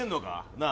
なあ？